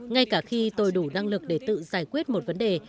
ngay cả khi tôi đủ năng lực để tự giải quyết một vấn đề